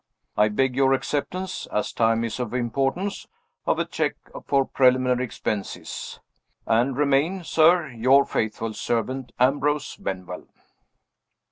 I beg your acceptance as time is of importance of a check for preliminary expenses, and remain, sir, your faithful servant, AMBROSE BENWELL.